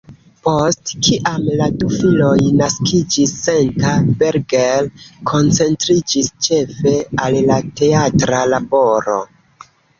Post kiam la du filoj naskiĝis, Senta Berger koncentriĝis ĉefe al la teatra laboro.